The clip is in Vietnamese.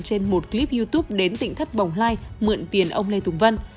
trên một clip youtube đến tỉnh thất bồng lai mượn tiền ông lê tùng vân